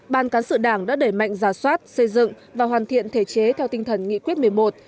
ban cán sự đảng đã đẩy mạnh giả soát xây dựng và hoàn thiện thể chế theo tinh thần nghị quyết một mươi một